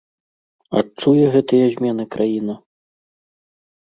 Адчуе гэтыя змены краіна?